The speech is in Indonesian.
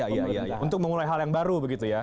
untuk memulai hal yang baru begitu ya